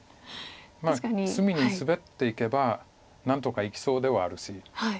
まあ隅にスベっていけば何とか生きそうではあるし。